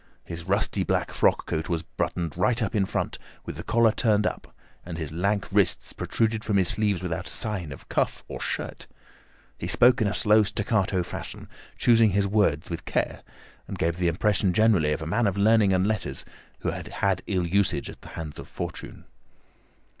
His rusty black frock coat was buttoned right up in front, with the collar turned up, and his lank wrists protruded from his sleeves without a sign of cuff or shirt. He spoke in a slow staccato fashion, choosing his words with care, and gave the impression generally of a man of learning and letters who had had ill usage at the hands of fortune.